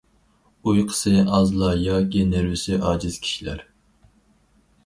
ئۇيقۇسى ئازلار ياكى نېرۋىسى ئاجىز كىشىلەر.